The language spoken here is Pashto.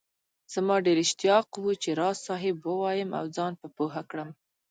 زما ډېر اشتياق وو چي راز صاحب ووايم او زان په پوهه کړم